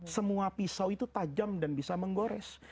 semua pisau itu tajam dan bisa menggores